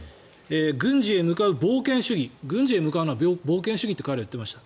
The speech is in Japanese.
軍事へ向かう冒険主義軍事へ向かうのは冒険主義だと彼はおっしゃってました。